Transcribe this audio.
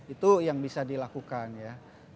itu yang bisa dilakukan ya